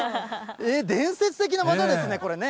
伝説的な技ですね、これね。